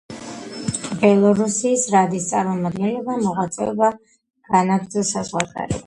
ბელორუსიის რადის წარმომადგენლებმა მოღვაწეობა განაგრძო საზღვარგარეთ.